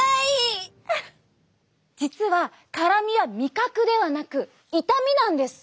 実は辛みは味覚ではなく痛みなんです。